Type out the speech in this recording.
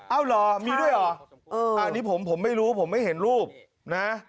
เอาเหรอมีด้วยเหรออันนี้ผมไม่รู้ผมไม่เห็นรูปนะ